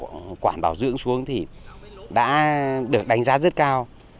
sau khi chúng tôi quản bảo dưỡng xuống thì đã được đánh giá rất cao